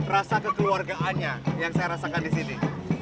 rasa kekeluargaannya yang saya rasakan di sini